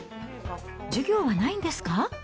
授業はないんですか？